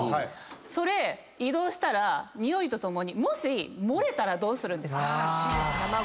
それ移動したら臭いとともにもし漏れたらどうするんですか？